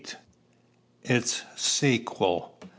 ITS SEQUEL.